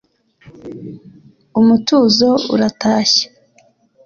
umutuzo uratashye